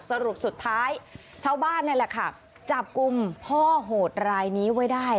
สรุปสุดท้ายชาวบ้านนี่แหละค่ะจับกลุ่มพ่อโหดรายนี้ไว้ได้